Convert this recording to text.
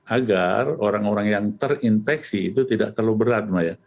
agar orang orang yang terinfeksi itu tidak terlalu berat